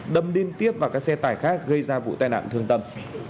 đâm điên tiếp và các xe tải khác gây ra vụ tai nạn thương tâm